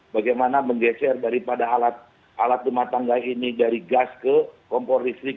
bagaimana menggeser daripada alat rumah tangga ini dari gas ke kompor listrik